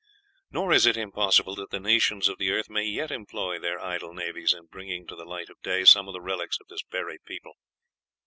Nor is it impossible that the nations of the earth may yet employ their idle navies in bringing to the light of day some of the relics of this buried people.